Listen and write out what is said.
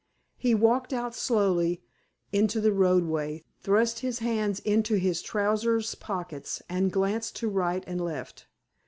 He walked out slowly into the roadway, thrust his hands into his trousers pockets, and glanced to right and left.